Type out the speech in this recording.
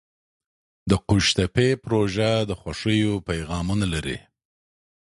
د قوشتېپې پروژه د خوښیو پیغامونه لري.